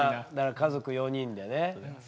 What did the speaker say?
家族４人でね。